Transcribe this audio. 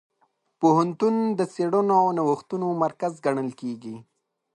پوهنتون د څېړنو او نوښتونو مرکز ګڼل کېږي.